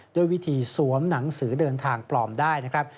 ด้วยวิธีสวมหนังสือเดินทางปลอมได้นะครับ